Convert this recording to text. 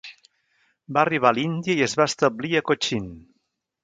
Va arribar a l'Índia i es va establir a Cochin.